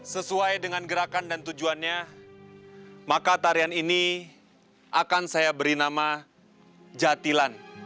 sesuai dengan gerakan dan tujuannya maka tarian ini akan saya beri nama jatilan